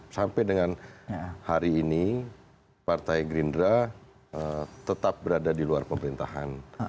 sampai dengan hari ini partai gerindra tetap berada di luar pemerintahan